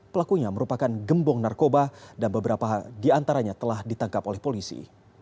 pelakunya merupakan gembong narkoba dan beberapa diantaranya telah ditangkap oleh polisi